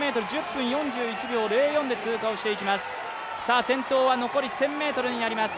４０００ｍ、１０分４１秒０４で通過をしていきます。